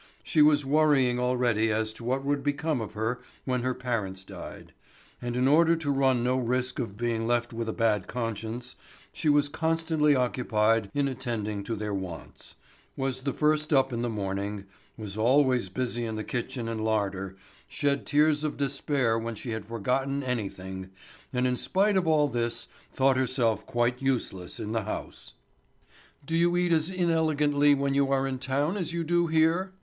She was worrying already as to what would become of her when her parents died; and in order to run no risk of being left with a bad conscience, she was constantly occupied in attending to their wants, was the first up in the morning, was always busy in the kitchen and larder, shed tears of despair when she had forgotten anything, and in spite of all this thought herself quite useless in the house. "Do you eat as inelegantly when you are in town as you do here?"